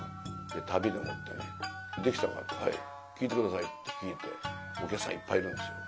で旅でもってね「できたのか」って「はい。聴いて下さい」って聴いてお客さんいっぱいいるんですよ。